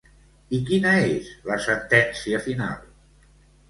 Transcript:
I quina és la sentència final?